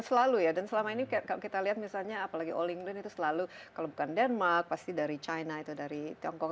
selalu ya dan selama ini kalau kita lihat misalnya apalagi all england itu selalu kalau bukan denmark pasti dari china itu dari tiongkok